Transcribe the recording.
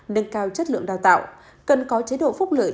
nâng cao chất lượng đào tạo cần có chế độ phúc lợi